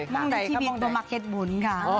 เมื่อกี้เปิดตัวมาแลกเหตุบุญค่ะ